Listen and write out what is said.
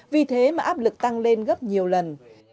vì thế mà áp lực tăng lên gấp nhiều lần